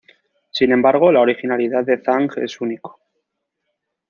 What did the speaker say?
Sin embargo, la originalidad de Zhang es único.